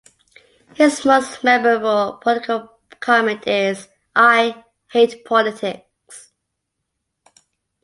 His "most memorable" political comment is "I hate politics.